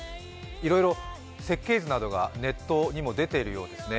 いろいろ設計図などがネットにも出ているようですね。